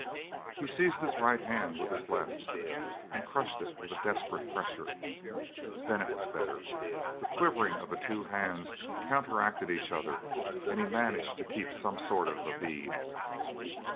He seized his right hand with his left, and crushed it with a desperate pressure. Then it was better. The quivering of the two hands counteracted each other and he managed to keep some sort of a bead.